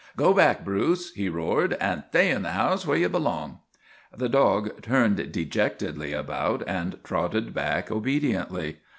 " Go back, Bruce !" he roared, " and stay in the house where ye belong !' The dog turned dejectedly about and trotted back obediently.